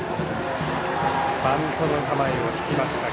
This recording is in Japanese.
バントの構えを引きました。